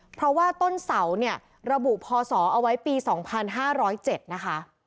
เพราะว่าต้นเสาเนี่ยระบุพศเอาไว้ปี๒๕๐๗นะคะ